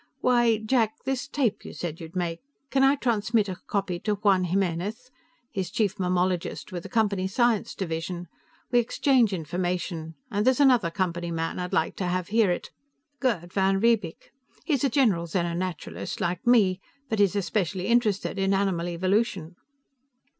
"Why, Jack this tape you said you'd make. Can I transmit a copy to Juan Jimenez? He's chief mammalogist with the Company science division; we exchange information. And there's another Company man I'd like to have hear it. Gerd van Riebeek. He's a general xeno naturalist, like me, but he's especially interested in animal evolution."